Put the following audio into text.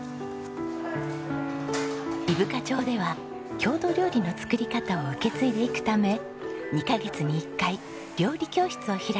伊深町では郷土料理の作り方を受け継いでいくため２カ月に１回料理教室を開いています。